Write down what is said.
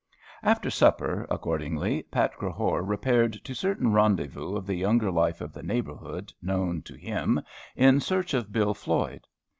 After supper, accordingly, Pat Crehore repaired to certain rendezvous of the younger life of the neighborhood, known to him, in search of Bill Floyd.